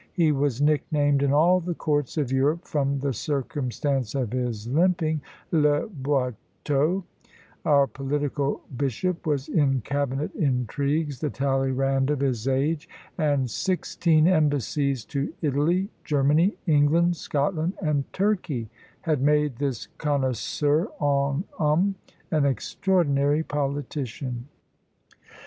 He was nicknamed in all the courts of Europe, from the circumstance of his limping, "le Boiteux;" our political bishop was in cabinet intrigues the Talleyrand of his age, and sixteen embassies to Italy, Germany, England, Scotland, and Turkey, had made this "connoisseur en hommes" an extraordinary politician!